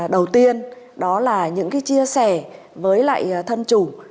đầu tiên đó là những chia sẻ với lại thân chủ